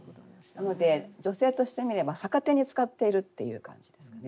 なので女性として見れば逆手に使っているっていう感じですかね。